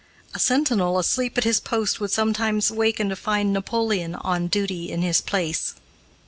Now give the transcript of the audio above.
A sentinel asleep at his post would sometimes waken to find Napoleon on duty in his place.